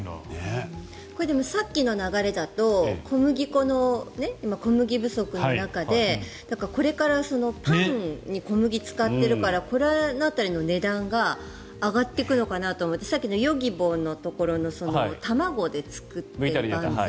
さっきの流れだと小麦粉の今、小麦不足の中でこれからパンに小麦を使っているからこの辺りの値段が上がってくるのかなと思ってさっきのＹｏｇｉｂｏのところの卵で作ったバンズ。